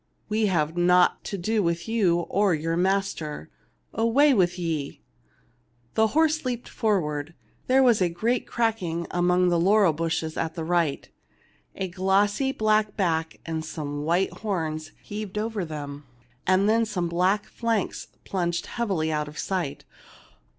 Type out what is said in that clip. We have naught to do with you or your master. Away with ye !" The horse leaped forward. There was a great cracking among the laurel bushes at the right, a glossy black back and some white horns heaved over them, then some black flanks plunged heav ily out of sight.